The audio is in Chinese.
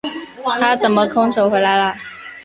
他怎么空手回来了？